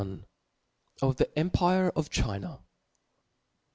Of the Empire of China.